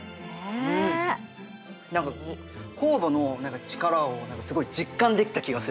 何か酵母の力をすごい実感できた気がする。